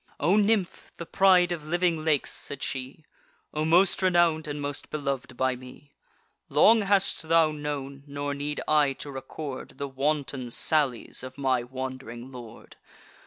"O nymph, the pride of living lakes," said she, "O most renown'd, and most belov'd by me, Long hast thou known, nor need I to record, The wanton sallies of my wand'ring lord.